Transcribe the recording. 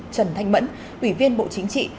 trần thanh mẫn ủy viên bộ chính trị